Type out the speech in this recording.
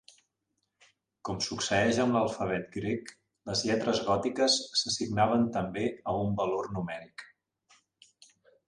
Com succeeix amb l'alfabet grec, les lletres gòtiques s'assignaven també a un valor numèric.